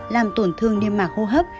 làm tổn thương niêm mạc hô hấp